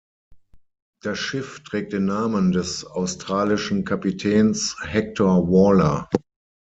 Das Schiff trägt den Namen des australischen Kapitäns Hector Waller.